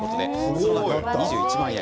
その額が２１万円。